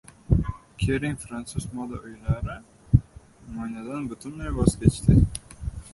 Kering fransuz moda uylari mo‘ynadan butunlay voz kechdi